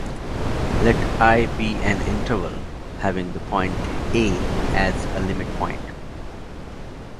Let "I" be an interval having the point "a" as a limit point.